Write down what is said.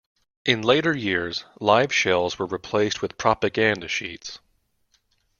In later years, live shells were replaced with propaganda sheets.